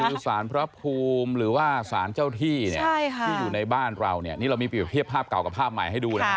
คือสารพระภูมิหรือว่าสารเจ้าที่เนี่ยที่อยู่ในบ้านเราเนี่ยนี่เรามีเปรียบเทียบภาพเก่ากับภาพใหม่ให้ดูนะฮะ